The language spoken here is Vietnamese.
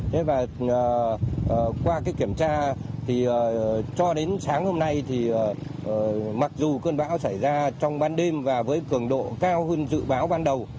thế và qua cái kiểm tra thì cho đến sáng hôm nay thì mặc dù cơn bão xảy ra trong ban đêm và với cường độ cao hơn dự báo ban đầu